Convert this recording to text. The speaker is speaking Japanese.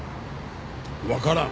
わからん。